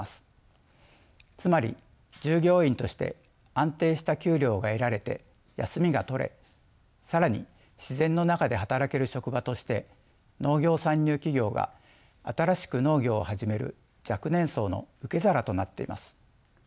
つまり従業員として安定した給料が得られて休みが取れ更に自然の中で働ける職場として農業参入企業が新しく農業を始める若年層の受け皿となっています。